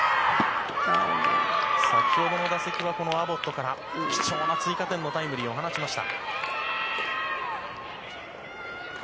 先ほどの打席は、アボットから貴重な追加点のタイムリーを放ちました。